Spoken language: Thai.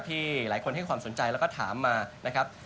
ที่หลายคนให้ความสนใจแล้วก็ถามมานะครับ